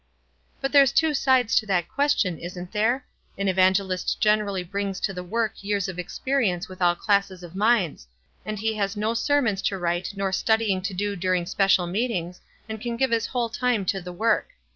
"But there's two sides to that question, isn't there? An evangelist generally brings to the work years of experience with all classes of minds ; and he has no sermons to write nor studying to do during special meetings, and can give his whole time to the work.